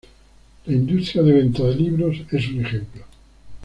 La industria de venta de libros es un ejemplo.